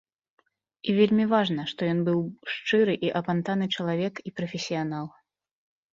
І вельмі важна, што ён быў шчыры і апантаны чалавек і прафесіянал.